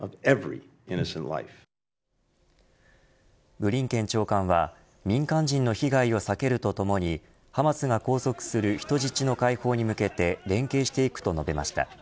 ブリンケン長官は民間人の被害を避けるとともにハマスが拘束する人質の解放に向けて連携していくと述べました。